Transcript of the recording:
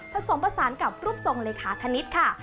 ผสมผสานกับรูปทรงเลขาคณิตค่ะ